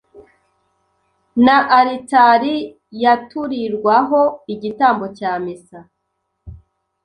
na Alitari yaturirwaho igitambo cya Misa